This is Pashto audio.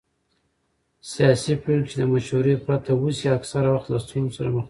سیاسي پرېکړې چې د مشورې پرته وشي اکثره وخت له ستونزو سره مخ کېږي